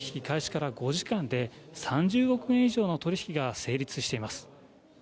取り引き開始から５時間で、３０億円以上の取り引きが成立しています。